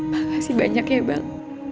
makasih banyak ya bang